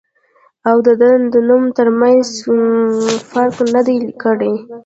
او د دۀ د نوم تر مېنځه فرق نۀ دی کړی